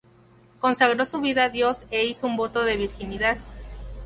Consagró su vida a Dios e hizo un voto de virginidad.